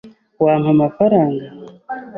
Wampa amafaranga?